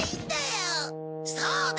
そうだ。